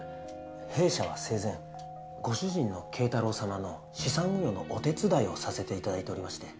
弊社は生前ご主人の啓太郎様の資産運用のお手伝いをさせていただいておりまして。